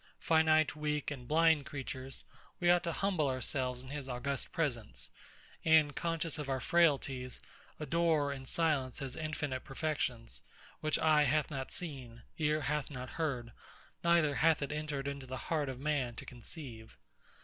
Finite, weak, and blind creatures, we ought to humble ourselves in his august presence; and, conscious of our frailties, adore in silence his infinite perfections, which eye hath not seen, ear hath not heard, neither hath it entered into the heart of man to conceive.